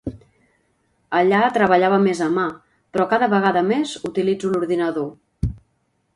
Allà treballava més a mà, però cada vegada més utilitzo l'ordinador.